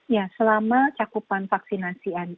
ya selama cakupan vaksinasian